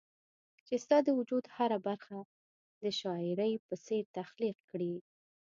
چي ستا د وجود هره برخه د شاعري په څير تخليق کړي